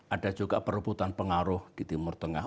ada juga perebutan pengaruh di timur tengah